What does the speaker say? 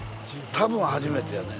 多分初めてやね。